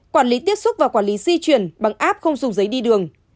quản lý tiếp xúc và quản lý di chuyển bằng app không dùng giấy đi đường